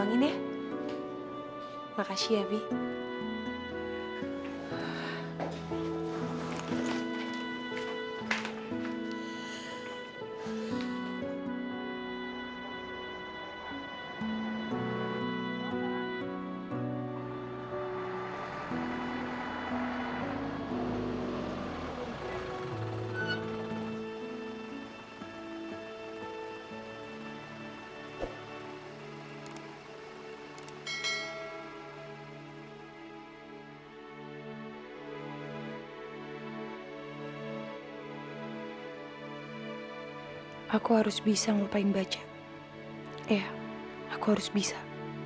iya aku harus bisa